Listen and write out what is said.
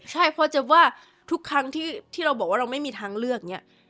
ใช่เพราะจะว่าทุกครั้งที่เราบอกว่าเราไม่มีทางเลือกเนี่ย